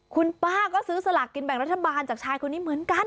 คุณป้าก็ซื้อสลากกินแบ่งรัฐบาลจากชายคนนี้เหมือนกัน